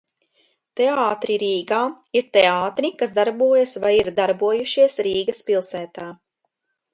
Teātri Rīgā, ir teātri, kas darbojas vai ir darbojušies Rīgas pilsētā.